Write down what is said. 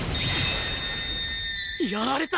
やられた！